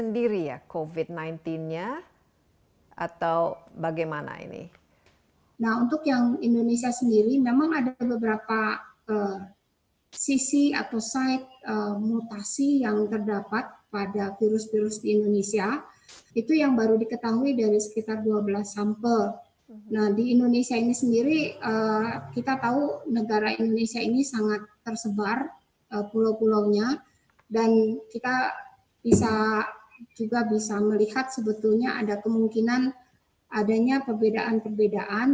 dan kita juga bisa melihat sebetulnya ada kemungkinan adanya perbedaan perbedaan